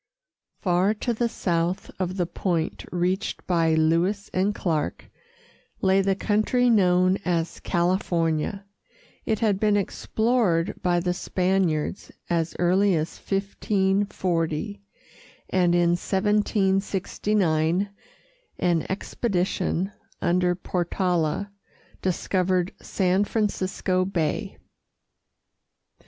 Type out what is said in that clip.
Far to the south of the point reached by Lewis and Clark lay the country known as California. It had been explored by the Spaniards as early as 1540, and in 1769 an expedition under Portala discovered San Francisco Bay.